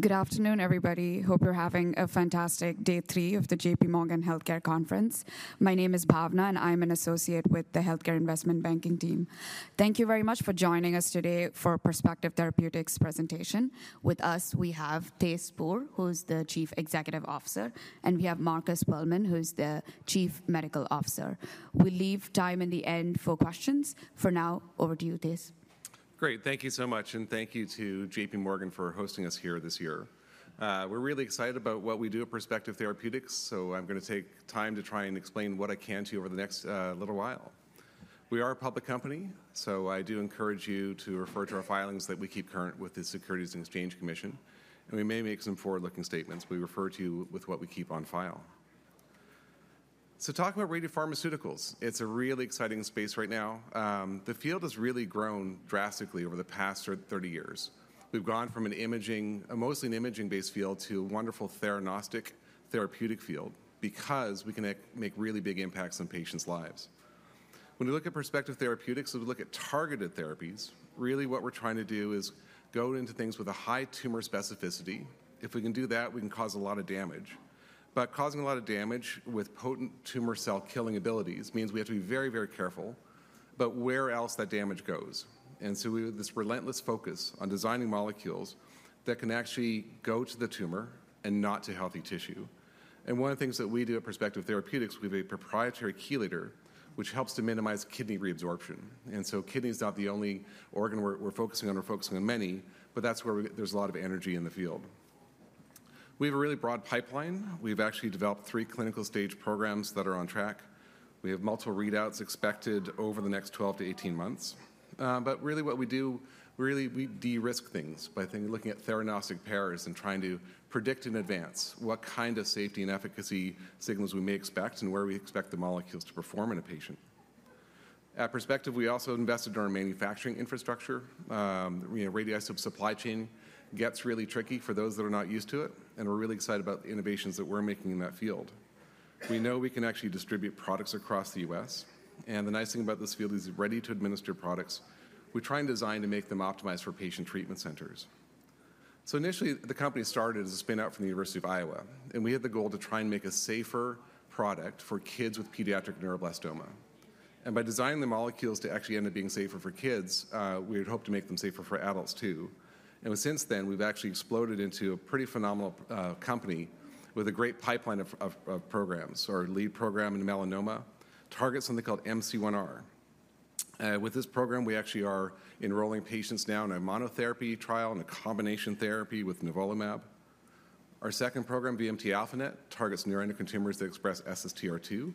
Good afternoon, everybody. Hope you're having a fantastic day three of the JPMorgan Healthcare Conference. My name is Bhavna, and I'm an associate with the Healthcare Investment Banking team. Thank you very much for joining us today for Perspective Therapeutics' presentation. With us, we have Thijs Spoor, who is the Chief Executive Officer, and we have Markus Puhlmann, who is the Chief Medical Officer. We'll leave time in the end for questions. For now, over to you, Thijs. Great. Thank you so much, and thank you to JPMorgan for hosting us here this year. We're really excited about what we do at Perspective Therapeutics, so I'm going to take time to try and explain what I can to you over the next little while. We are a public company, so I do encourage you to refer to our filings that we keep current with the Securities and Exchange Commission, and we may make some forward-looking statements. We refer to you with what we keep on file. So, talking about radiopharmaceuticals, it's a really exciting space right now. The field has really grown drastically over the past 30 years. We've gone from a mostly imaging-based field to a wonderful theranostic therapeutic field because we can make really big impacts on patients' lives. When we look at Perspective Therapeutics, we look at targeted therapies. Really, what we're trying to do is go into things with a high tumor specificity. If we can do that, we can cause a lot of damage, but causing a lot of damage with potent tumor cell-killing abilities means we have to be very, very careful about where else that damage goes, and so we have this relentless focus on designing molecules that can actually go to the tumor and not to healthy tissue, and one of the things that we do at Perspective Therapeutics, we have a proprietary chelator, which helps to minimize kidney reabsorption, and so kidney is not the only organ we're focusing on. We're focusing on many, but that's where there's a lot of energy in the field. We have a really broad pipeline. We've actually developed three clinical stage programs that are on track. We have multiple readouts expected over the next 12-18 months. But really, what we do, really, we de-risk things by looking at theranostic pairs and trying to predict in advance what kind of safety and efficacy signals we may expect and where we expect the molecules to perform in a patient. At Perspective, we also invested in our manufacturing infrastructure. Radioactive supply chain gets really tricky for those that are not used to it, and we're really excited about the innovations that we're making in that field. We know we can actually distribute products across the U.S., and the nice thing about this field is ready-to-administer products. We try and design to make them optimized for patient treatment centers. Initially, the company started as a spin-out from the University of Iowa, and we had the goal to try and make a safer product for kids with pediatric neuroblastoma. By designing the molecules to actually end up being safer for kids, we had hoped to make them safer for adults, too. Since then, we've actually exploded into a pretty phenomenal company with a great pipeline of programs. Our lead program in melanoma targets something called MC1R. With this program, we actually are enrolling patients now in a monotherapy trial and a combination therapy with nivolumab. Our second program, VMT-α-NET, targets neuroendocrine tumors that express SSTR2.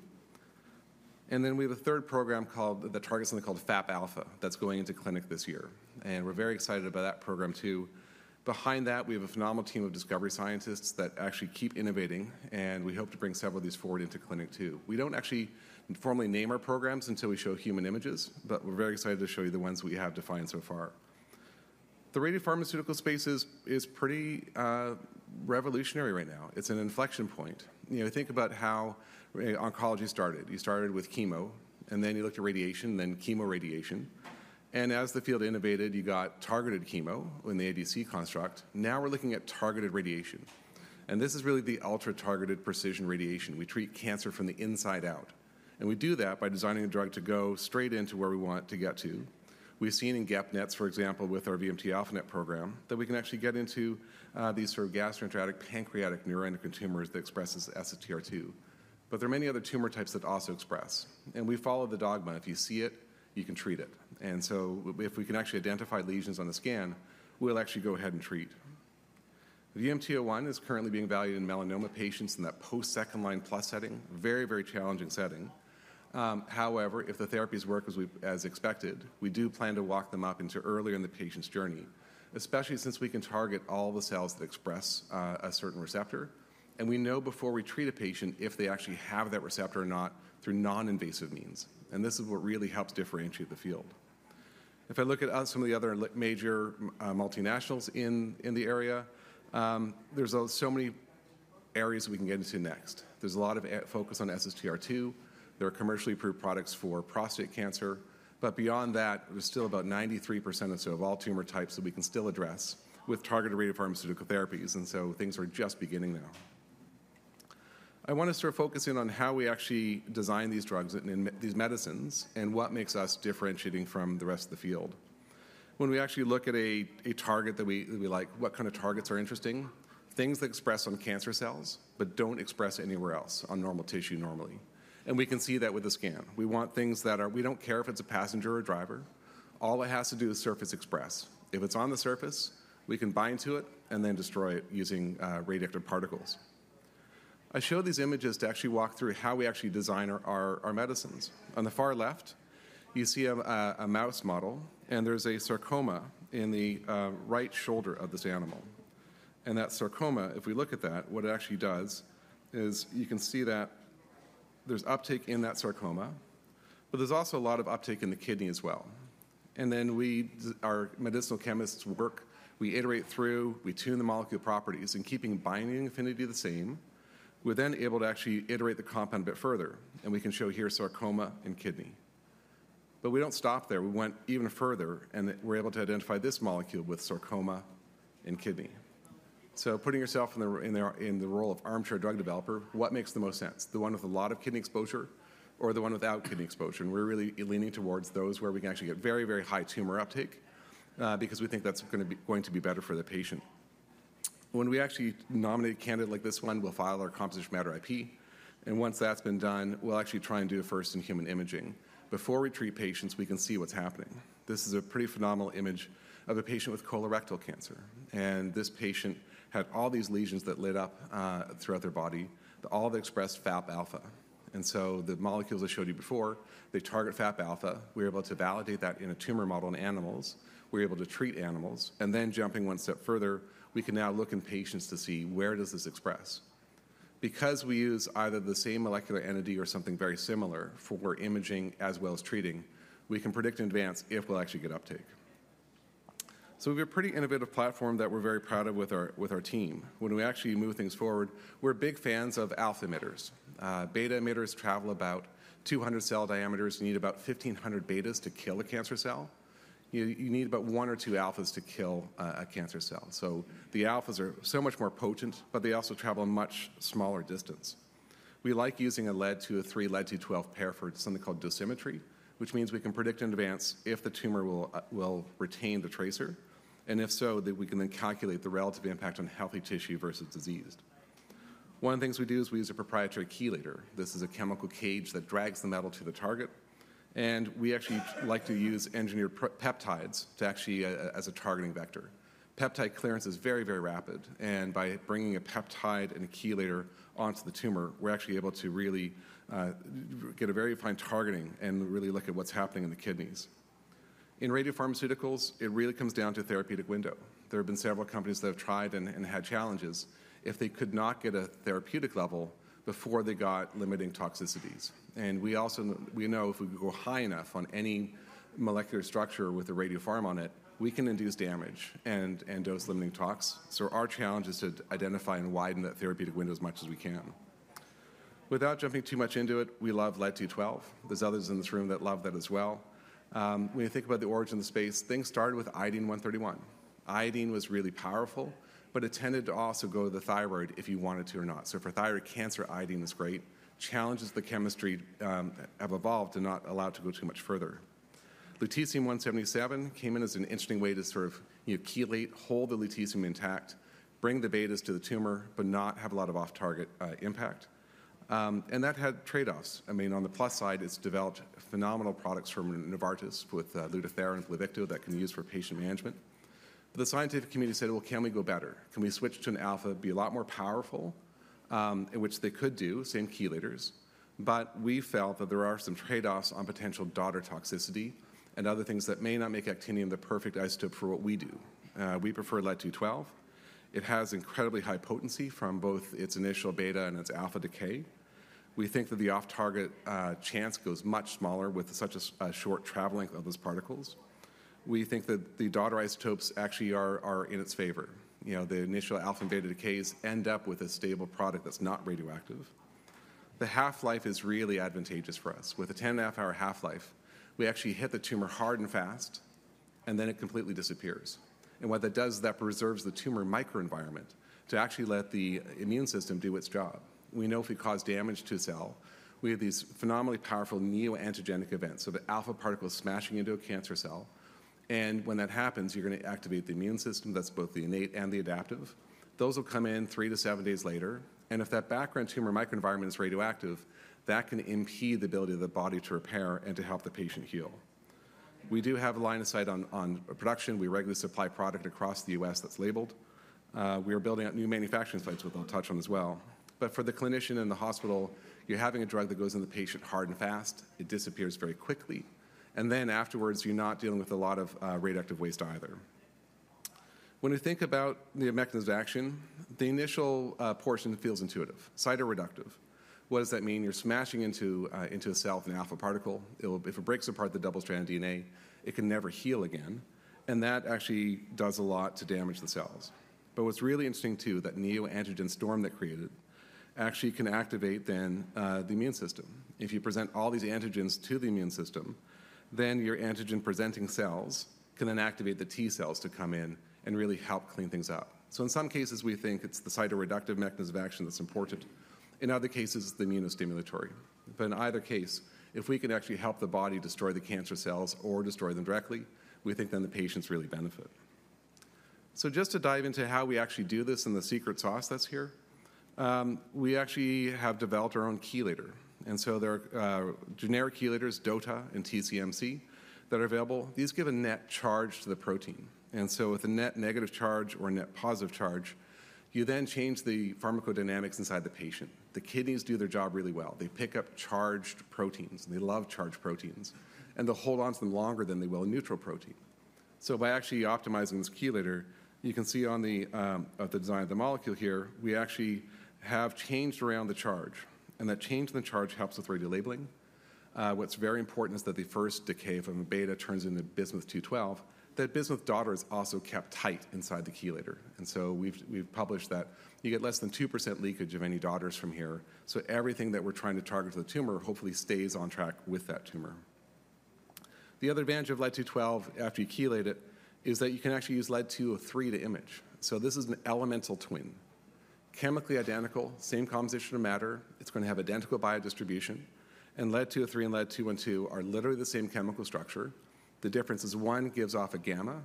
Then we have a third program that targets something called FAP alpha that's going into clinic this year, and we're very excited about that program, too. Behind that, we have a phenomenal team of discovery scientists that actually keep innovating, and we hope to bring several of these forward into clinic, too. We don't actually formally name our programs until we show human images, but we're very excited to show you the ones that we have defined so far. The radiopharmaceutical space is pretty revolutionary right now. It's an inflection point. Think about how oncology started. You started with chemo, and then you looked at radiation, then chemoradiation, and as the field innovated, you got targeted chemo in the ADC construct. Now we're looking at targeted radiation, and this is really the ultra-targeted precision radiation. We treat cancer from the inside out, and we do that by designing a drug to go straight into where we want to get to. We've seen in GEP-NETs, for example, with our VMT-α-NET program, that we can actually get into these sort of gastroenteropancreatic pancreatic neuroendocrine tumors that express SSTR2, but there are many other tumor types that also express, and we follow the dogma. If you see it, you can treat it, and so, if we can actually identify lesions on the scan, we'll actually go ahead and treat. VMT01 is currently being evaluated in melanoma patients in that post-second-line plus setting, very, very challenging setting. However, if the therapies work as expected, we do plan to walk them up into earlier in the patient's journey, especially since we can target all the cells that express a certain receptor, and we know before we treat a patient if they actually have that receptor or not through non-invasive means, and this is what really helps differentiate the field. If I look at some of the other major multinationals in the area, there's so many areas we can get into next. There's a lot of focus on SSTR2. There are commercially approved products for prostate cancer, but beyond that, there's still about 93% of all tumor types that we can still address with targeted radiopharmaceutical therapies, and so things are just beginning now. I want to start focusing on how we actually design these drugs and these medicines and what makes us differentiating from the rest of the field. When we actually look at a target that we like, what kind of targets are interesting? Things that express on cancer cells but don't express anywhere else on normal tissue normally, and we can see that with the scan. We want things that are, we don't care if it's a passenger or a driver. All it has to do is surface express. If it's on the surface, we can bind to it and then destroy it using radioactive particles. I showed these images to actually walk through how we actually design our medicines. On the far left, you see a mouse model, and there's a sarcoma in the right shoulder of this animal, and that sarcoma, if we look at that, what it actually does is you can see that there's uptake in that sarcoma, but there's also a lot of uptake in the kidney as well, and then our medicinal chemists work. We iterate through, we tune the molecule properties in keeping binding affinity the same. We're then able to actually iterate the compound a bit further, and we can show here sarcoma and kidney, but we don't stop there. We went even further, and we're able to identify this molecule with sarcoma and kidney. So, putting yourself in the role of armchair drug developer, what makes the most sense? The one with a lot of kidney exposure or the one without kidney exposure? And we're really leaning towards those where we can actually get very, very high tumor uptake because we think that's going to be better for the patient. When we actually nominate a candidate like this one, we'll file our composition of matter IP, and once that's been done, we'll actually try and do first-in-human imaging. Before we treat patients, we can see what's happening. This is a pretty phenomenal image of a patient with colorectal cancer, and this patient had all these lesions that lit up throughout their body, all that expressed FAP Alpha, and so the molecules I showed you before, they target FAP Alpha. We're able to validate that in a tumor model in animals. We're able to treat animals. And then, jumping one step further, we can now look in patients to see where does this express. Because we use either the same molecular entity or something very similar for imaging as well as treating, we can predict in advance if we'll actually get uptake. So, we have a pretty innovative platform that we're very proud of with our team. When we actually move things forward, we're big fans of alpha emitters. Beta emitters travel about 200 cell diameters. You need about 1,500 betas to kill a cancer cell. You need about one or two alphas to kill a cancer cell. So, the alphas are so much more potent, but they also travel a much smaller distance. We like using a lead-203, lead-212 pair for something called dosimetry, which means we can predict in advance if the tumor will retain the tracer, and if so, then we can then calculate the relative impact on healthy tissue versus diseased. One of the things we do is we use a proprietary chelator. This is a chemical cage that drags the metal to the target, and we actually like to use engineered peptides to actually act as a targeting vector. Peptide clearance is very, very rapid, and by bringing a peptide and a chelator onto the tumor, we're actually able to really get a very fine targeting and really look at what's happening in the kidneys. In radiopharmaceuticals, it really comes down to therapeutic window. There have been several companies that have tried and had challenges. If they could not get a therapeutic level before they got limiting toxicities, and we also know if we go high enough on any molecular structure with a radiopharm on it, we can induce damage and dose limiting toxicities. So, our challenge is to identify and widen that therapeutic window as much as we can. Without jumping too much into it, we love lead-212. There's others in this room that love that as well. When you think about the origin of the space, things started with iodine-131. Iodine was really powerful, but it tended to also go to the thyroid if you wanted to or not. So, for thyroid cancer, iodine is great. Challenges with the chemistry have evolved and not allowed to go too much further. Lutetium-177 came in as an interesting way to sort of chelate, hold the lutetium intact, bring the betas to the tumor, but not have a lot of off-target impact. And that had trade-offs. I mean, on the plus side, it's developed phenomenal products from Novartis with Lutathera and Pluvicto that can be used for patient management. But the scientific community said, "Well, can we go better? Can we switch to an alpha? Be a lot more powerful?" In which they could do, same chelators, but we felt that there are some trade-offs on potential daughter toxicity and other things that may not make actinium the perfect isotope for what we do. We prefer Lead-212. It has incredibly high potency from both its initial beta and its alpha decay. We think that the off-target chance goes much smaller with such a short travel length of those particles. We think that the daughter isotopes actually are in its favor. The initial alpha and beta decays end up with a stable product that's not radioactive. The half-life is really advantageous for us. With a 10-and-a-half-hour half-life, we actually hit the tumor hard and fast, and then it completely disappears, and what that does is that preserves the tumor microenvironment to actually let the immune system do its job. We know if we cause damage to a cell, we have these phenomenally powerful neoantigenic events, so the alpha particle is smashing into a cancer cell, and when that happens, you're going to activate the immune system that's both the innate and the adaptive. Those will come in three to seven days later, and if that background tumor microenvironment is radioactive, that can impede the ability of the body to repair and to help the patient heal. We do have a line of sight on production. We regularly supply product across the U.S. that's labeled. We are building out new manufacturing sites, which I'll touch on as well. But for the clinician in the hospital, you're having a drug that goes in the patient hard and fast. It disappears very quickly, and then afterwards, you're not dealing with a lot of radioactive waste either. When we think about the mechanism of action, the initial portion feels intuitive: cytoreductive. What does that mean? You're smashing into a cell with an alpha particle. If it breaks apart the double-stranded DNA, it can never heal again, and that actually does a lot to damage the cells. But what's really interesting, too, is that neoantigenic storm that created actually can activate then the immune system. If you present all these antigens to the immune system, then your antigen-presenting cells can then activate the T cells to come in and really help clean things up. So, in some cases, we think it's the cytoreductive mechanism of action that's important. In other cases, it's the immunostimulatory. But in either case, if we can actually help the body destroy the cancer cells or destroy them directly, we think then the patients really benefit. So, just to dive into how we actually do this and the secret sauce that's here, we actually have developed our own chelator. And so, there are generic chelators, DOTA and TCMC, that are available. These give a net charge to the protein. And so, with a net negative charge or a net positive charge, you then change the pharmacodynamics inside the patient. The kidneys do their job really well. They pick up charged proteins, and they love charged proteins, and they'll hold onto them longer than they will a neutral protein. So, by actually optimizing this chelator, you can see on the design of the molecule here, we actually have changed around the charge, and that change in the charge helps with radiolabeling. What's very important is that the first decay from a beta turns into a bismuth-212. That Bismuth-daughter is also kept tight inside the chelator, and so we've published that you get less than 2% leakage of any daughters from here. So, everything that we're trying to target to the tumor hopefully stays on track with that tumor. The other advantage of Lead-212 after you chelate it is that you can actually use Lead-203 to image. So, this is an elemental twin, chemically identical, same composition of matter. It's going to have identical biodistribution, and Lead-203 and Lead-212 are literally the same chemical structure. The difference is one gives off a gamma,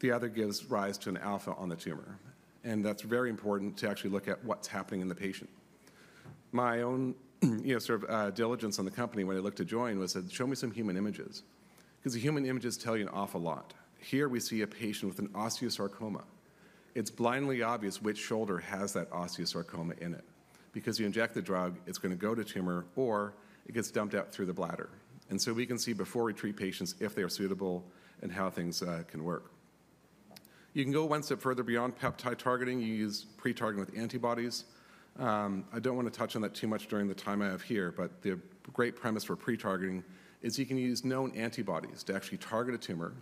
the other gives rise to an alpha on the tumor, and that's very important to actually look at what's happening in the patient. My own sort of diligence on the company when I looked to join was, "Show me some human images," because the human images tell you an awful lot. Here, we see a patient with an osteosarcoma. It's blindly obvious which shoulder has that osteosarcoma in it because you inject the drug, it's going to go to tumor, or it gets dumped out through the bladder. And so, we can see before we treat patients if they are suitable and how things can work. You can go one step further beyond peptide targeting. You use pretargeting with antibodies. I don't want to touch on that too much during the time I have here, but the great premise for pretargeting is you can use known antibodies to actually target a tumor.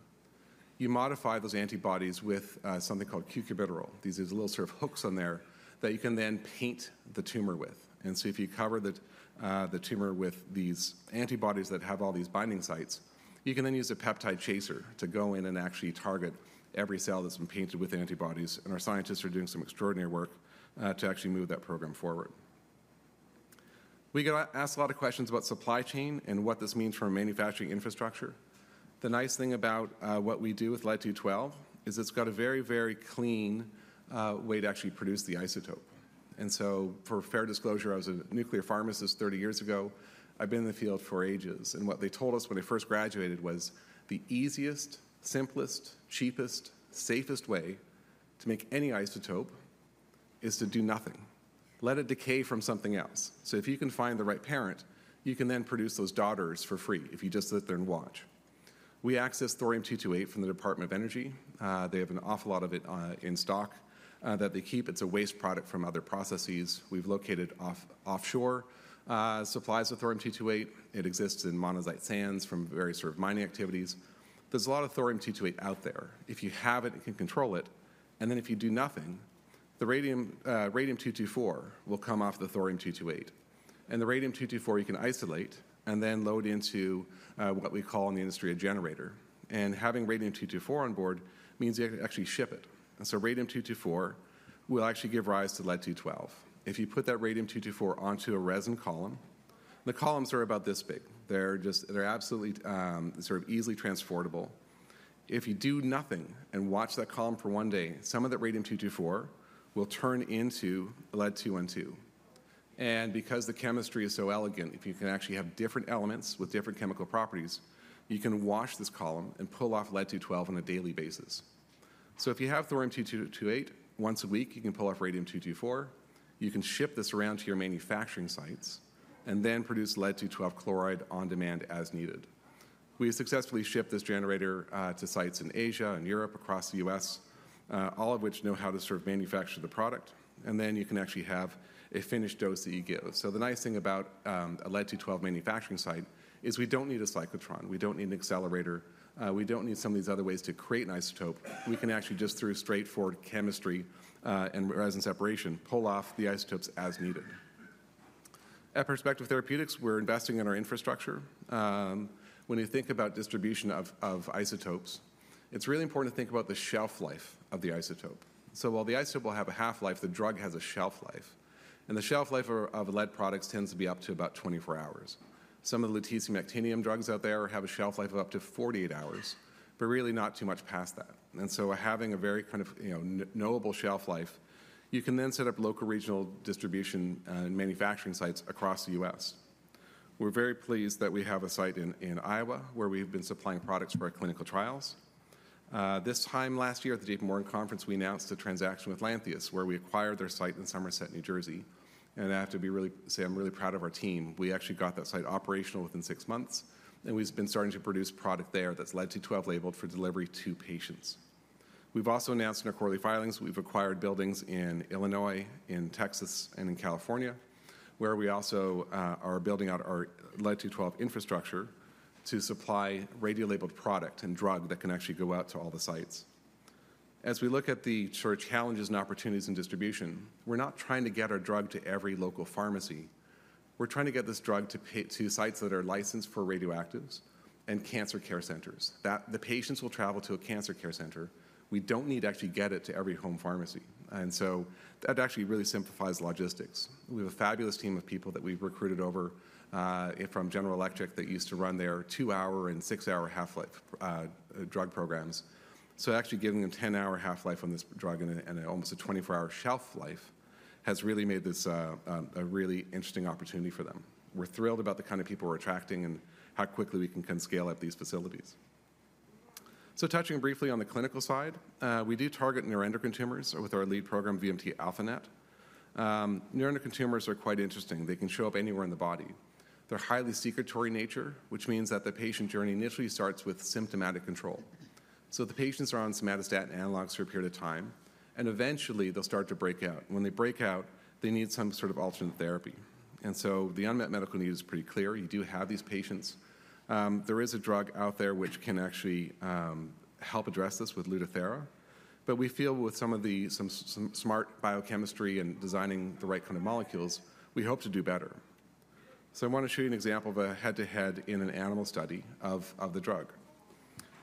You modify those antibodies with something called chelator. These are little sort of hooks on there that you can then paint the tumor with. And so, if you cover the tumor with these antibodies that have all these binding sites, you can then use a peptide chaser to go in and actually target every cell that's been painted with antibodies, and our scientists are doing some extraordinary work to actually move that program forward. We get asked a lot of questions about supply chain and what this means for manufacturing infrastructure. The nice thing about what we do with Lead-212 is it's got a very, very clean way to actually produce the isotope. And so, for fair disclosure, I was a nuclear pharmacist 30 years ago. I've been in the field for ages, and what they told us when I first graduated was the easiest, simplest, cheapest, safest way to make any isotope is to do nothing. Let it decay from something else. So, if you can find the right parent, you can then produce those daughters for free if you just sit there and watch. We access thorium-228 from the Department of Energy. They have an awful lot of it in stock that they keep. It's a waste product from other processes. We've located offshore supplies of thorium-228. It exists in monazite sands from various sort of mining activities. There's a lot of thorium-228 out there. If you have it, you can control it, and then if you do nothing, the radium-224 will come off the thorium-228. And the radium-224 you can isolate and then load into what we call in the industry a generator. And having radium-224 on board means you actually ship it. And so, radium-224 will actually give rise to Lead-212. If you put that radium-224 onto a resin column, the columns are about this big. They're absolutely sort of easily transportable. If you do nothing and watch that column for one day, some of that radium-224 will turn into Lead-212. And because the chemistry is so elegant, if you can actually have different elements with different chemical properties, you can wash this column and pull off Lead-212 on a daily basis. So, if you have thorium-228, once a week, you can pull off radium-224. You can ship this around to your manufacturing sites and then produce Lead-212 chloride on demand as needed. We have successfully shipped this generator to sites in Asia and Europe, across the U.S., all of which know how to sort of manufacture the product, and then you can actually have a finished dose that you give. So, the nice thing about a Lead-212 manufacturing site is we don't need a cyclotron. We don't need an accelerator. We don't need some of these other ways to create an isotope. We can actually just through straightforward chemistry and resin separation pull off the isotopes as needed. At Perspective Therapeutics, we're investing in our infrastructure. When you think about distribution of isotopes, it's really important to think about the shelf life of the isotope. So, while the isotope will have a half-life, the drug has a shelf life, and the shelf life of lead products tends to be up to about 24 hours. Some of the lutetium-actinium drugs out there have a shelf life of up to 48 hours, but really not too much past that. And so, having a very kind of knowable shelf life, you can then set up local regional distribution and manufacturing sites across the U.S. We're very pleased that we have a site in Iowa where we've been supplying products for our clinical trials. This time last year at the JPMorgan Conference, we announced a transaction with Lantheus, where we acquired their site in Somerset, New Jersey, and I have to say I'm really proud of our team. We actually got that site operational within six months, and we've been starting to produce product there that's Lead-212 labeled for delivery to patients. We've also announced in our quarterly filings we've acquired buildings in Illinois, in Texas, and in California, where we also are building out our Lead-212 infrastructure to supply radiolabeled product and drug that can actually go out to all the sites. As we look at the sort of challenges and opportunities in distribution, we're not trying to get our drug to every local pharmacy. We're trying to get this drug to sites that are licensed for radioactives and cancer care centers. The patients will travel to a cancer care center. We don't need to actually get it to every home pharmacy. And so, that actually really simplifies logistics. We have a fabulous team of people that we've recruited over from General Electric that used to run their two-hour and six-hour half-life drug programs. So, actually giving them 10-hour half-life on this drug and almost a 24-hour shelf life has really made this a really interesting opportunity for them. We're thrilled about the kind of people we're attracting and how quickly we can scale up these facilities. So, touching briefly on the clinical side, we do target neuroendocrine tumors with our lead program, VMT-α-NET. Neuroendocrine tumors are quite interesting. They can show up anywhere in the body. They're highly secretory in nature, which means that the patient journey initially starts with symptomatic control. So, the patients are on somatostatin analogs for a period of time, and eventually, they'll start to break out. When they break out, they need some sort of alternate therapy. And so, the unmet medical need is pretty clear. You do have these patients. There is a drug out there which can actually help address this with Lutathera, but we feel with some of the smart biochemistry and designing the right kind of molecules, we hope to do better. So, I want to show you an example of a head-to-head in an animal study of the drug.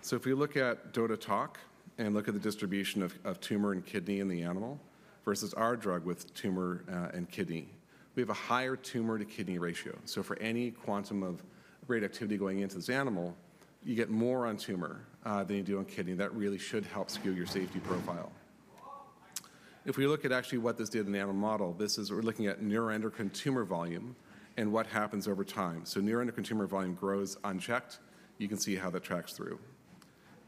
So, if we look at DOTATOC and look at the distribution of tumor and kidney in the animal versus our drug with tumor and kidney, we have a higher tumor-to-kidney ratio. So, for any quantum of radioactivity going into this animal, you get more on tumor than you do on kidney. That really should help skew your safety profile. If we look at actually what this did in the animal model, this is we're looking at neuroendocrine tumor volume and what happens over time. So, neuroendocrine tumor volume grows unchecked. You can see how that tracks through.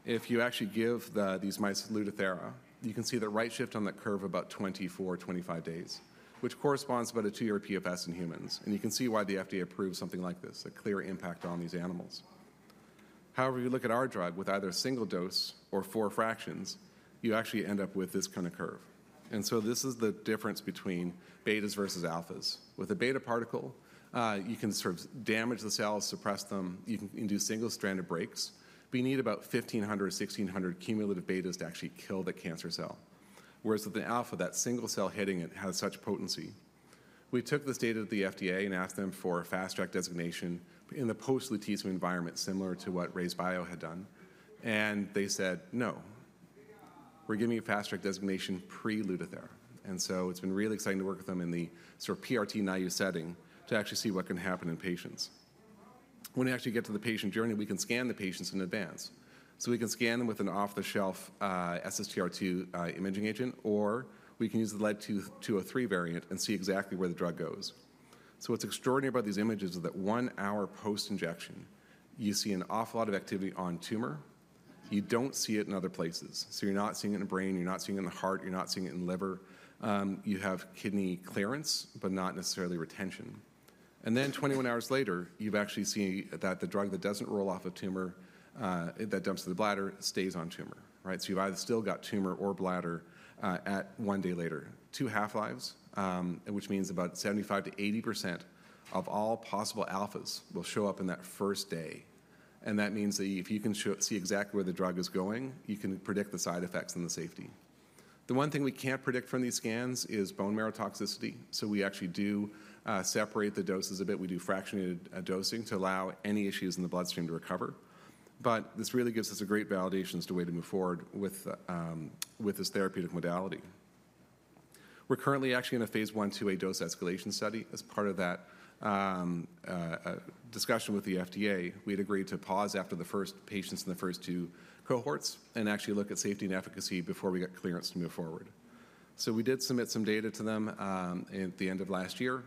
If you actually give these mice Lutathera, you can see the right shift on that curve of about 24-25 days, which corresponds to about a two-year PFS in humans, and you can see why the FDA approves something like this, a clear impact on these animals. However, if you look at our drug with either a single dose or four fractions, you actually end up with this kind of curve. And so, this is the difference between betas versus alphas. With a beta particle, you can sort of damage the cells, suppress them. You can induce single-stranded breaks, but you need about 1,500 or 1,600 cumulative betas to actually kill the cancer cell, whereas with an alpha, that single-cell hitting it has such potency. We took this data to the FDA and asked them for a fast-track designation in the post-lutetium environment similar to what RayzeBio had done, and they said, "No. We're giving you fast-track designation pre-Lutathera," and so, it's been really exciting to work with them in the sort of PRRT-naive setting to actually see what can happen in patients. When we actually get to the patient journey, we can scan the patients in advance, so we can scan them with an off-the-shelf SSTR2 imaging agent, or we can use the Lead-203 variant and see exactly where the drug goes, so what's extraordinary about these images is that one hour post-injection, you see an awful lot of activity on tumor. You don't see it in other places, so you're not seeing it in the brain. You're not seeing it in the heart. You're not seeing it in the liver. You have kidney clearance, but not necessarily retention. Then, 21 hours later, you've actually seen that the drug that doesn't roll off of tumor, that dumps to the bladder, stays on tumor, right? You've either still got tumor or bladder at one day later. Two half-lives, which means about 75%-80% of all possible alphas will show up in that first day. That means that if you can see exactly where the drug is going, you can predict the side effects and the safety. The one thing we can't predict from these scans is bone marrow toxicity. We actually do separate the doses a bit. We do fractionated dosing to allow any issues in the bloodstream to recover. This really gives us a great validation as to a way to move forward with this therapeutic modality. We're currently actually in a phase 1-2A dose escalation study. As part of that discussion with the FDA, we had agreed to pause after the first patients in the first two cohorts and actually look at safety and efficacy before we get clearance to move forward, so we did submit some data to them at the end of last year,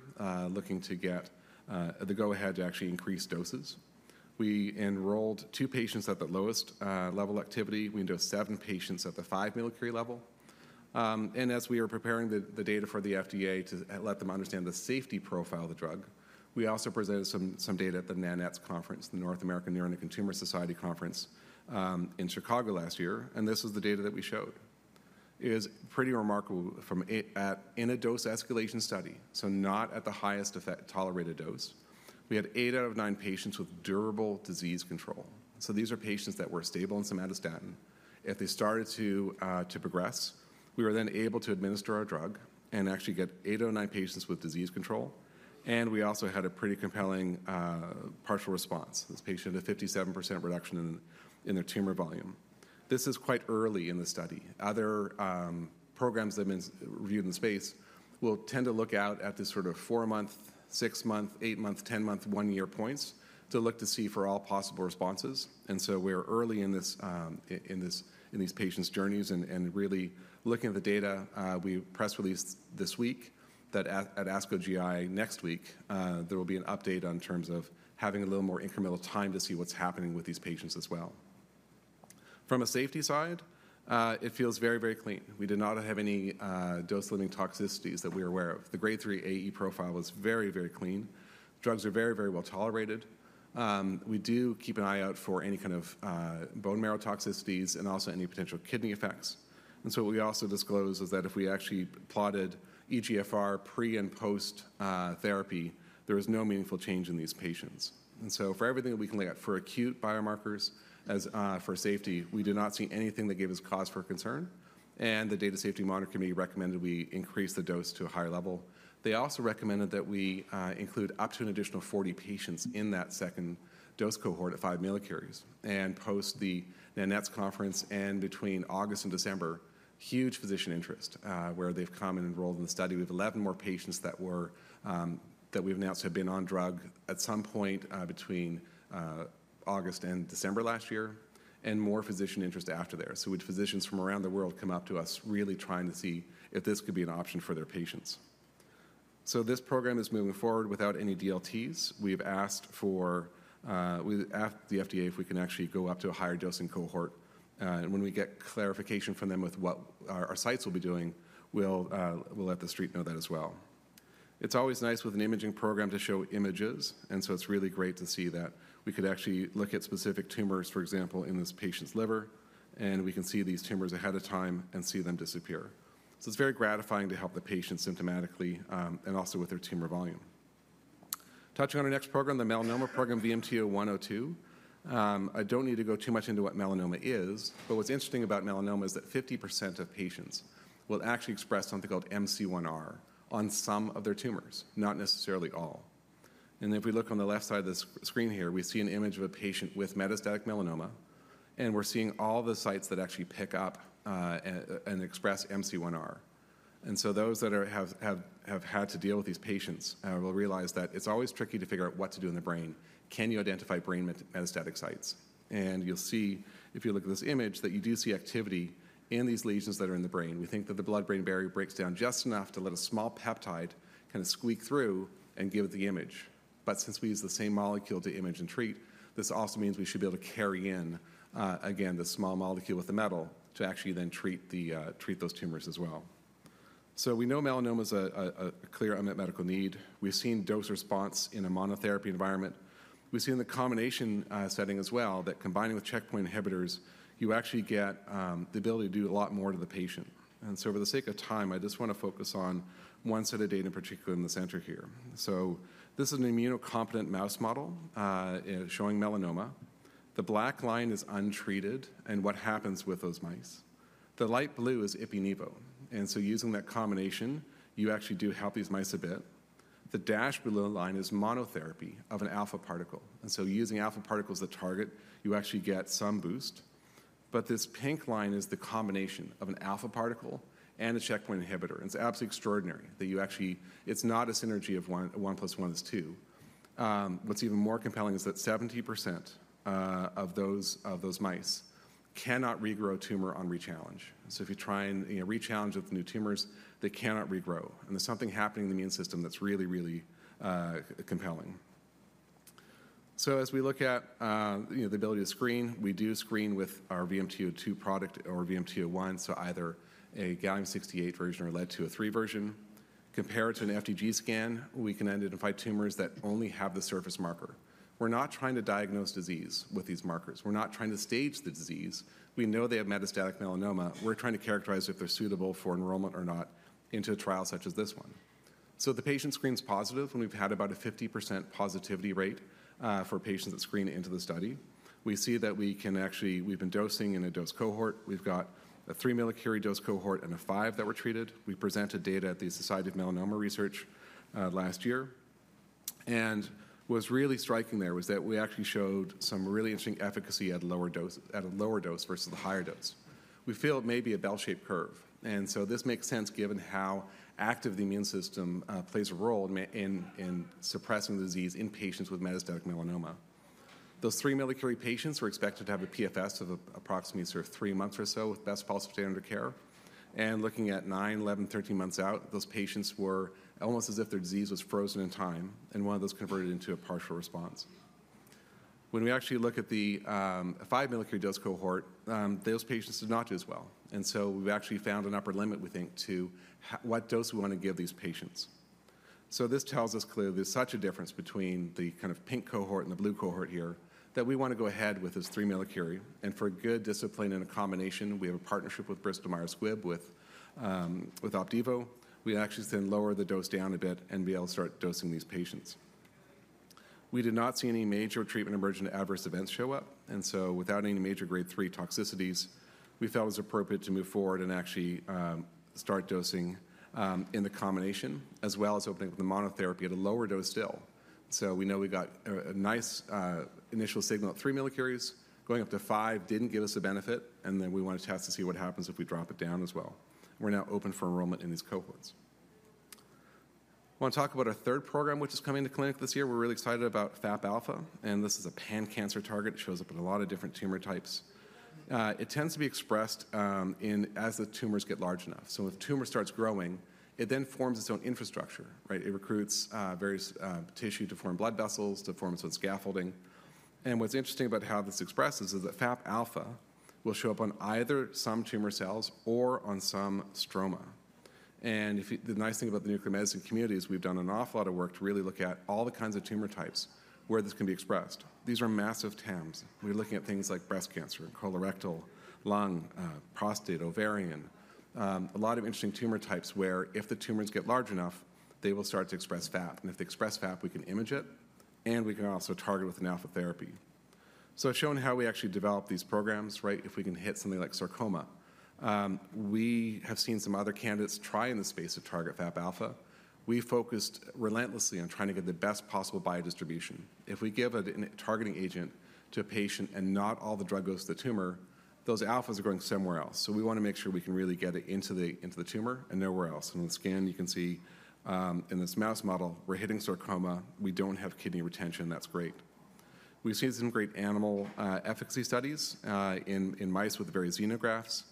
looking to get the go-ahead to actually increase doses. We enrolled two patients at the lowest level of activity. We enrolled seven patients at the five millicurie level, and as we were preparing the data for the FDA to let them understand the safety profile of the drug, we also presented some data at the NANETS conference, the North American Neuroendocrine Tumor Society conference in Chicago last year, and this was the data that we showed. It was pretty remarkable from in a dose escalation study, so not at the highest tolerated dose, we had eight out of nine patients with durable disease control, so these are patients that were stable on somatostatin. If they started to progress, we were then able to administer our drug and actually get eight out of nine patients with disease control, and we also had a pretty compelling partial response. This patient had a 57% reduction in their tumor volume. This is quite early in the study. Other programs that have been reviewed in the space will tend to look out at this sort of four-month, six-month, eight-month, ten-month, one-year points to look to see for all possible responses, and so we're early in these patients' journeys and really looking at the data. We press released this week that at ASCO GI next week, there will be an update in terms of having a little more incremental time to see what's happening with these patients as well. From a safety side, it feels very, very clean. We did not have any dose-limiting toxicities that we're aware of. The grade 3 AE profile was very, very clean. Drugs are very, very well tolerated. We do keep an eye out for any kind of bone marrow toxicities and also any potential kidney effects, and so what we also disclosed was that if we actually plotted eGFR pre and post-therapy, there was no meaningful change in these patients. For everything that we can look at for acute biomarkers as for safety, we did not see anything that gave us cause for concern, and the data safety monitoring committee recommended we increase the dose to a higher level. They also recommended that we include up to an additional 40 patients in that second dose cohort at five millicuries. Post the NANETS conference and between August and December, huge physician interest, where they've come and enrolled in the study. We have 11 more patients that we've announced have been on drug at some point between August and December last year and more physician interest after there. With physicians from around the world coming up to us really trying to see if this could be an option for their patients, this program is moving forward without any DLTs. We asked the FDA if we can actually go up to a higher dosing cohort. When we get clarification from them with what our sites will be doing, we'll let the street know that as well. It's always nice with an imaging program to show images, and so it's really great to see that we could actually look at specific tumors, for example, in this patient's liver, and we can see these tumors ahead of time and see them disappear. It's very gratifying to help the patients symptomatically and also with their tumor volume. Touching on our next program, the Melanoma program, VMT01. I don't need to go too much into what melanoma is, but what's interesting about melanoma is that 50% of patients will actually express something called MC1R on some of their tumors, not necessarily all. And if we look on the left side of the screen here, we see an image of a patient with metastatic melanoma, and we're seeing all the sites that actually pick up and express MC1R. And so, those that have had to deal with these patients will realize that it's always tricky to figure out what to do in the brain. Can you identify brain metastatic sites? And you'll see, if you look at this image, that you do see activity in these lesions that are in the brain. We think that the blood-brain barrier breaks down just enough to let a small peptide kind of squeak through and give it the image. But since we use the same molecule to image and treat, this also means we should be able to carry in, again, the small molecule with the metal to actually then treat those tumors as well. We know melanoma is a clear unmet medical need. We've seen dose response in a monotherapy environment. We've seen the combination setting as well, that combining with checkpoint inhibitors, you actually get the ability to do a lot more to the patient. For the sake of time, I just want to focus on one set of data in particular in the center here. This is an immunocompetent mouse model showing melanoma. The black line is untreated and what happens with those mice. The light blue is Ipi/Nivo. Using that combination, you actually do help these mice a bit. The dash below the line is monotherapy of an alpha particle. Using alpha particles as a target, you actually get some boost. But this pink line is the combination of an alpha particle and a checkpoint inhibitor. It's absolutely extraordinary that, actually, it's not a synergy of one plus one is two. What's even more compelling is that 70% of those mice cannot regrow tumor on rechallenge. So, if you try and rechallenge with new tumors, they cannot regrow. And there's something happening in the immune system that's really, really compelling. So, as we look at the ability to screen, we do screen with our VMT01 product, so either a Ga-68 version or a Lead-203 version. Compared to an FDG scan, we can identify tumors that only have the surface marker. We're not trying to diagnose disease with these markers. We're not trying to stage the disease. We know they have metastatic melanoma. We're trying to characterize if they're suitable for enrollment or not into a trial such as this one. So, the patient screens positive, and we've had about a 50% positivity rate for patients that screen into the study. We see that we can actually. We've been dosing in a dose cohort. We've got a three millicurie dose cohort and a five millicurie that were treated. We presented data at the Society for Melanoma Research last year. And what was really striking there was that we actually showed some really interesting efficacy at a lower dose versus a higher dose. We feel it may be a bell-shaped curve. And so, this makes sense given how active the immune system plays a role in suppressing the disease in patients with metastatic melanoma. Those three millicurie patients were expected to have a PFS of approximately sort of three months or so with best possible standard of care. Looking at nine, 11, 13 months out, those patients were almost as if their disease was frozen in time, and one of those converted into a partial response. When we actually look at the five millicurie dose cohort, those patients did not do as well. And so, we've actually found an upper limit, we think, to what dose we want to give these patients. So, this tells us clearly there's such a difference between the kind of pink cohort and the blue cohort here that we want to go ahead with this three millicurie. And for good discipline and a combination, we have a partnership with Bristol Myers Squibb with Opdivo. We actually can lower the dose down a bit and be able to start dosing these patients. We did not see any major treatment emergent adverse events show up. And so, without any major grade 3 toxicities, we felt it was appropriate to move forward and actually start dosing in the combination, as well as opening up the monotherapy at a lower dose still. So, we know we got a nice initial signal at three millicuries. Going up to five didn't give us a benefit, and then we want to test to see what happens if we drop it down as well. We're now open for enrollment in these cohorts. I want to talk about our third program, which is coming to clinic this year. We're really excited about FAP Alpha, and this is a pan-cancer target. It shows up in a lot of different tumor types. It tends to be expressed as the tumors get large enough. So, if a tumor starts growing, it then forms its own infrastructure, right? It recruits various tissue to form blood vessels, to form its own scaffolding, and what's interesting about how this expresses is that FAP Alpha will show up on either some tumor cells or on some stroma, and the nice thing about the nuclear medicine community is we've done an awful lot of work to really look at all the kinds of tumor types where this can be expressed. These are massive TAMs. We're looking at things like breast cancer, colorectal, lung, prostate, ovarian. A lot of interesting tumor types where, if the tumors get large enough, they will start to express FAP. And if they express FAP, we can image it, and we can also target with an alpha therapy, so showing how we actually develop these programs, right, if we can hit something like sarcoma, we have seen some other candidates try in this space to target FAP Alpha. We focused relentlessly on trying to get the best possible biodistribution. If we give a targeting agent to a patient and not all the drug goes to the tumor, those alphas are going somewhere else. So, we want to make sure we can really get it into the tumor and nowhere else, and on the scan, you can see in this mouse model, we're hitting sarcoma. We don't have kidney retention. That's great. We've seen some great animal efficacy studies in mice with various xenografts.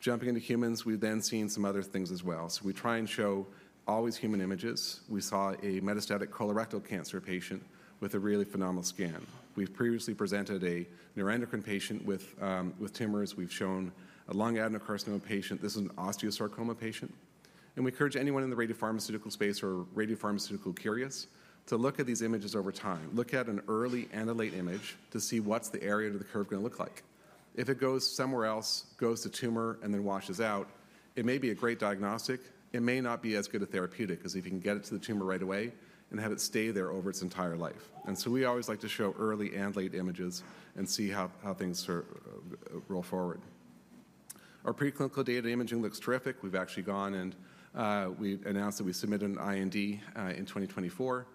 Jumping into humans, we've then seen some other things as well, so we try and show always human images. We saw a metastatic colorectal cancer patient with a really phenomenal scan. We've previously presented a neuroendocrine patient with tumors. We've shown a lung adenocarcinoma patient. This is an osteosarcoma patient. We encourage anyone in the radiopharmaceutical space or radiopharmaceutical careers to look at these images over time. Look at an early and a late image to see what's the area of the curve going to look like. If it goes somewhere else, goes to tumor, and then washes out, it may be a great diagnostic. It may not be as good a therapeutic as if you can get it to the tumor right away and have it stay there over its entire life. So, we always like to show early and late images and see how things roll forward. Our preclinical data imaging looks terrific. We've actually gone and we announced that we submit an IND in 2024.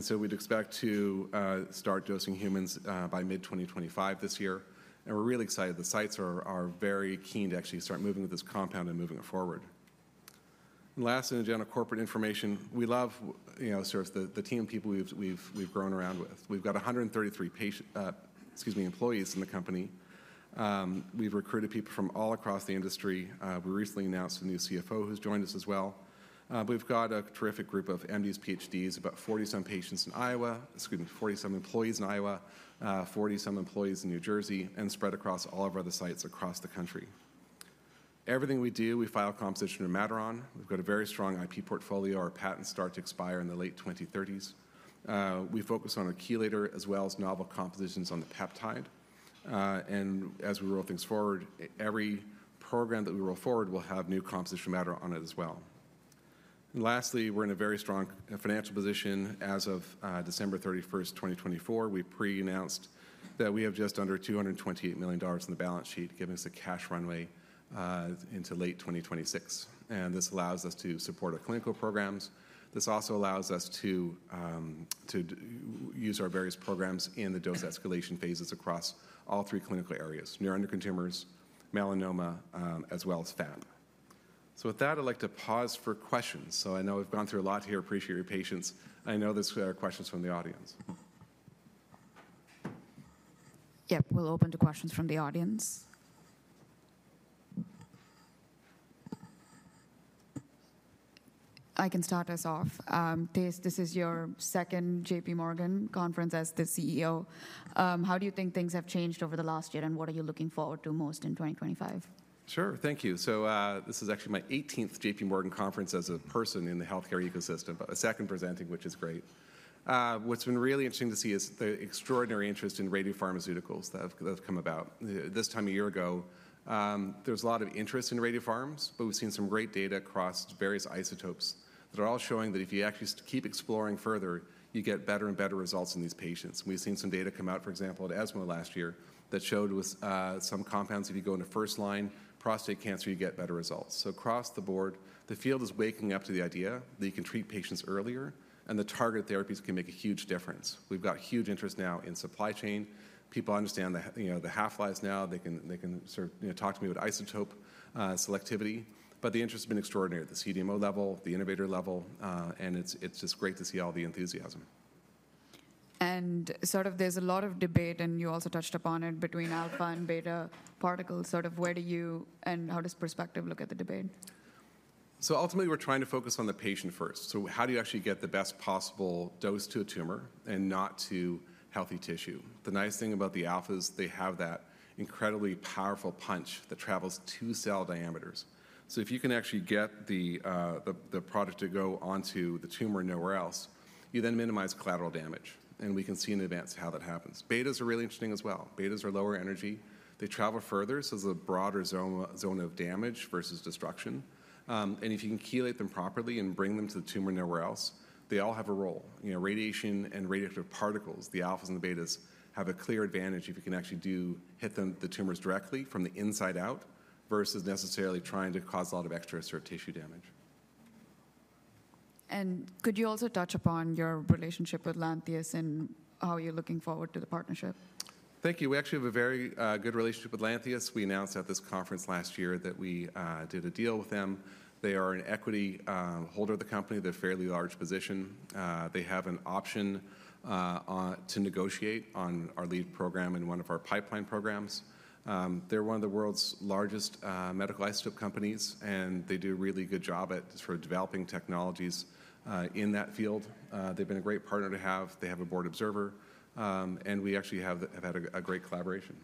So, we'd expect to start dosing humans by mid-2025 this year. We're really excited. The sites are very keen to actually start moving with this compound and moving it forward. And lastly, in general corporate information, we love sort of the team of people we've grown around with. We've got 133 patients, excuse me, employees in the company. We've recruited people from all across the industry. We recently announced a new CFO who's joined us as well. We've got a terrific group of MDs, PhDs, about 40-some patients in Iowa, excuse me, 40-some employees in Iowa, 40-some employees in New Jersey, and spread across all of our other sites across the country. Everything we do, we file composition of matter on. We've got a very strong IP portfolio. Our patents start to expire in the late 2030s. We focus on a chelator as well as novel compositions on the peptide. As we roll things forward, every program that we roll forward will have new composition of matter on it as well. Lastly, we're in a very strong financial position. As of December 31st, 2024, we pre-announced that we have just under $228 million on the balance sheet, giving us a cash runway into late 2026. This allows us to support our clinical programs. This also allows us to use our various programs in the dose escalation phases across all three clinical areas: neuroendocrine tumors, melanoma, as well as FAP. With that, I'd like to pause for questions. I know we've gone through a lot here. Appreciate your patience. I know there are questions from the audience. Yep, we'll open to questions from the audience. I can start us off. This is your second JPMorgan conference as the CEO. How do you think things have changed over the last year, and what are you looking forward to most in 2025? Sure, thank you. So, this is actually my 18th JPMorgan conference as a person in the healthcare ecosystem, but a second presenting, which is great. What's been really interesting to see is the extraordinary interest in radiopharmaceuticals that have come about. This time a year ago, there was a lot of interest in radiopharms, but we've seen some great data across various isotopes that are all showing that if you actually keep exploring further, you get better and better results in these patients. And we've seen some data come out, for example, at ESMO last year that showed with some compounds, if you go into first-line prostate cancer, you get better results. So, across the board, the field is waking up to the idea that you can treat patients earlier, and the targeted therapies can make a huge difference. We've got huge interest now in supply chain. People understand the half-life now. They can sort of talk to me about isotope selectivity, but the interest has been extraordinary at the CDMO level, the innovator level, and it's just great to see all the enthusiasm. And sort of there's a lot of debate, and you also touched upon it, between alpha and beta particles. Sort of, where do you, and how does Perspective look at the debate? So, ultimately, we're trying to focus on the patient first. So, how do you actually get the best possible dose to a tumor and not to healthy tissue? The nice thing about the alpha is they have that incredibly powerful punch that travels two cell diameters. So, if you can actually get the product to go onto the tumor nowhere else, you then minimize collateral damage. And we can see in advance how that happens. Betas are really interesting as well. Betas are lower energy. They travel further, so there's a broader zone of damage versus destruction. And if you can chelate them properly and bring them to the tumor nowhere else, they all have a role. Radiation and radioactive particles, the alphas and the betas, have a clear advantage if you can actually hit the tumors directly from the inside out versus necessarily trying to cause a lot of extra sort of tissue damage. Could you also touch upon your relationship with Lantheus and how you're looking forward to the partnership? Thank you. We actually have a very good relationship with Lantheus. We announced at this conference last year that we did a deal with them. They are an equity holder of the company. They're a fairly large position. They have an option to negotiate on our lead program and one of our pipeline programs. They're one of the world's largest medical isotope companies, and they do a really good job at sort of developing technologies in that field. They've been a great partner to have. They have a board observer, and we actually have had a great collaboration.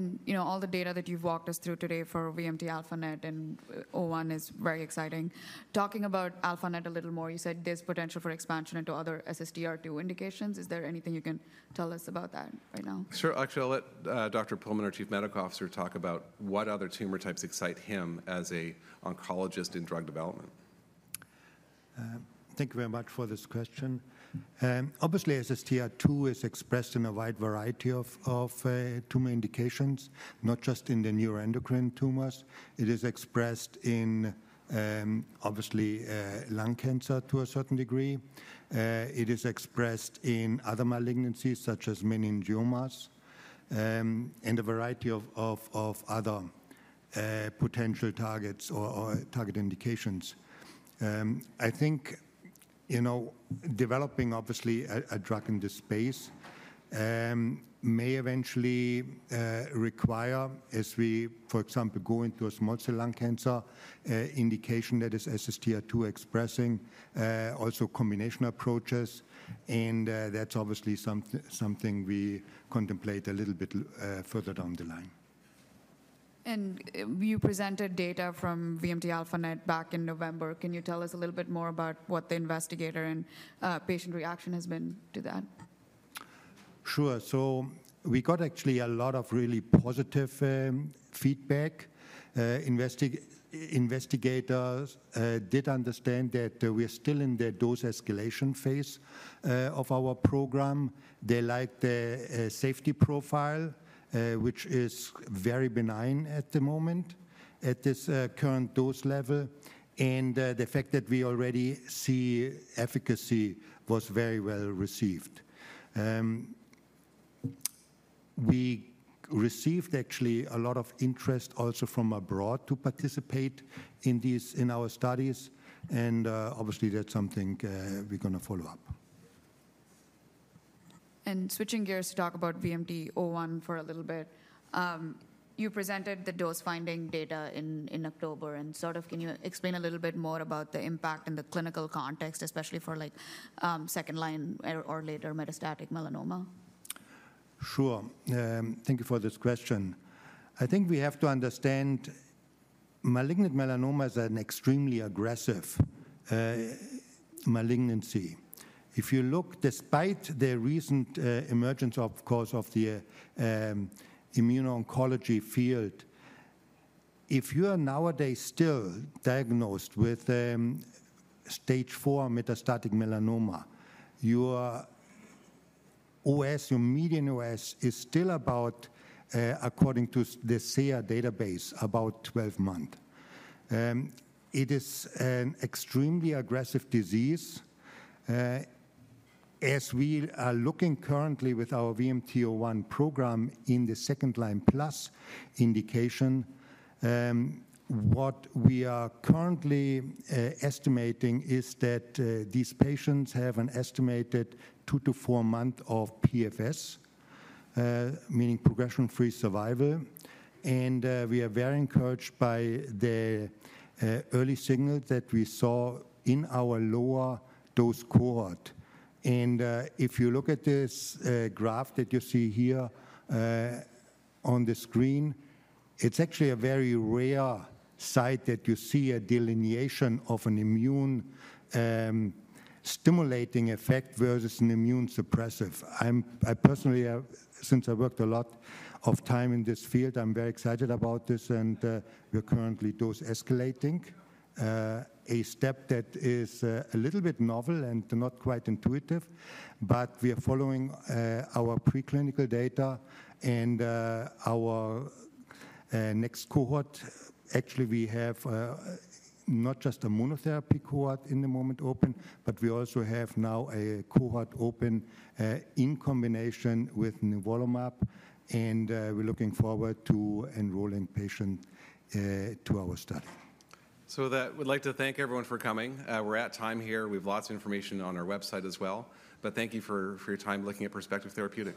You know all the data that you've walked us through today for VMT-α-NET and VMT01 is very exciting. Talking about VMT-α-NET a little more, you said there's potential for expansion into other SSTR2 indications. Is there anything you can tell us about that right now? Sure. Actually, I'll let Dr. Puhlmann, our Chief Medical Officer, talk about what other tumor types excite him as an oncologist in drug development. Thank you very much for this question. Obviously, SSTR2 is expressed in a wide variety of tumor indications, not just in the neuroendocrine tumors. It is expressed in, obviously, lung cancer to a certain degree. It is expressed in other malignancies, such as meningiomas and a variety of other potential targets or target indications. I think developing, obviously, a drug in this space may eventually require, as we, for example, go into a small cell lung cancer, an indication that is SSTR2 expressing, also combination approaches, and that's obviously something we contemplate a little bit further down the line. You presented data from VMT-α-NET back in November. Can you tell us a little bit more about what the investigator and patient reaction has been to that? Sure. So, we got actually a lot of really positive feedback. Investigators did understand that we're still in the dose escalation phase of our program. They liked the safety profile, which is very benign at the moment at this current dose level. And the fact that we already see efficacy was very well received. We received actually a lot of interest also from abroad to participate in our studies. And obviously, that's something we're going to follow up. Switching gears to talk about VMT-01 for a little bit, you presented the dose-finding data in October. Sort of, can you explain a little bit more about the impact in the clinical context, especially for second-line or later metastatic melanoma? Sure. Thank you for this question. I think we have to understand malignant melanoma is an extremely aggressive malignancy. If you look, despite the recent emergence, of course, of the immuno-oncology field, if you are nowadays still diagnosed with stage four metastatic melanoma, your OS, your median OS, is still about, according to the SEER database, about 12 months. It is an extremely aggressive disease. As we are looking currently with our VMT-01 program in the second-line plus indication, what we are currently estimating is that these patients have an estimated two to four months of PFS, meaning progression-free survival, and we are very encouraged by the early signal that we saw in our lower dose cohort. And if you look at this graph that you see here on the screen, it's actually a very rare sight that you see a delineation of an immunostimulatory effect versus an immunosuppressive. I personally, since I worked a lot of time in this field, I'm very excited about this. And we're currently dose-escalating, a step that is a little bit novel and not quite intuitive. But we are following our preclinical data. And our next cohort, actually, we have not just a monotherapy cohort at the moment open, but we also have now a cohort open in combination with nivolumab. And we're looking forward to enrolling patients to our study. So, we'd like to thank everyone for coming. We're at time here. We have lots of information on our website as well. But thank you for your time looking at Perspective Therapeutics.